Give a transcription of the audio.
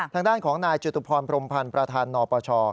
ทางด้านของนายจุตุพรพรมพันธ์ประธานนปช